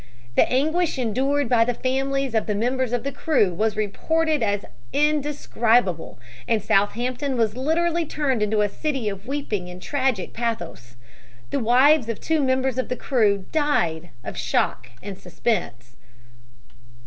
The anguish endured by the families of members of the crew was reported as indescribable, and Southampton was literally turned into a city of weeping and tragic pathos. The wives of two members of the crew died of shock and suspense.